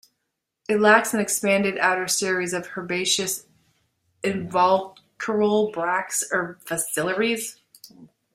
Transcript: It lacks an expanded outer series of herbaceous involucral bracts or phyllaries.